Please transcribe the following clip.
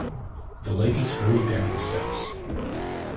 The ladies hurried down the steps.